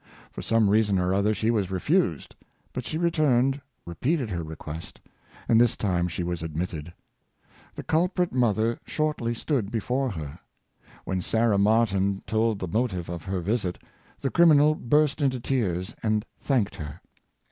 For some reason or other she was refused, but she returned, repeated her request, and this time she was admitted. The culprit mother shortly stood before her. When Sarah Martin told the motive of her visit, the criminal burst into tears, and thanked her.